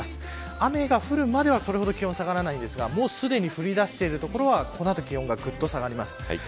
雨が降るまではそれほど気温は下がりませんがすでに降り出している所がこの後気温がぐっと下がります。